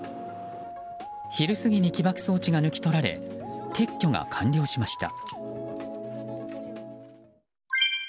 昼過ぎに起爆装置が抜き取られ撤去が完了しました。